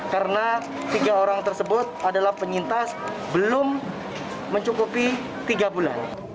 karena tiga orang tersebut adalah penyintas belum mencukupi tiga bulan